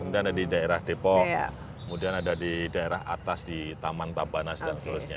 kemudian ada di daerah depok kemudian ada di daerah atas di taman tabanas dan seterusnya